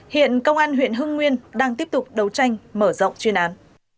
hiện công an huyện hưng nguyên đang tiếp tục đấu tranh mở rộng chuyên án